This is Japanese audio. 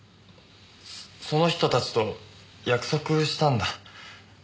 その人たちと約束したんだ。